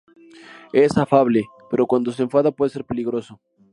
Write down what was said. Es afable, pero cuando se enfada puede ser peligroso.